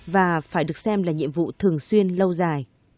và phải được xem là nhiệm vụ thường xuyên lâu dài